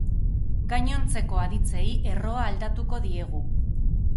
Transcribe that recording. Gainontzeko aditzei erroa aldatuko diegu.